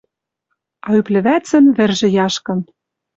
А ӱп лӹвӓцӹн вӹржӹ яшкын